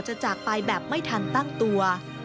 จากไปแบบไม่ทันตั้งตัว